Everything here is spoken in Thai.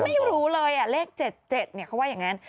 ไม่รู้เลยเลข๗๗เขาว่าอย่างนั้น